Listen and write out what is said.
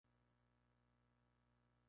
Florece en otoño con flores de color violeta.